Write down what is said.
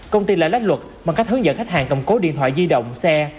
công ty lại lách luật bằng cách hướng dẫn khách hàng cầm cố điện thoại di động xe